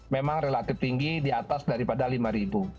memang relatif tinggi di atas daripada rp lima